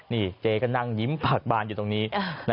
นี่เจ๊ก็นั่งยิ้มปากบานอยู่ตรงนี้